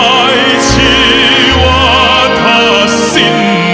ไม่เร่รวนภาวะผวังคิดกังคัน